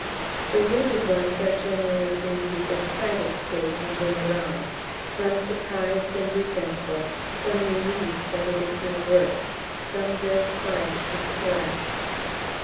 The wounded ones are generally in "the excited stage" when they arrive some surprised and resentful, some relieved that it is no worse, and some very quiet and collapsed.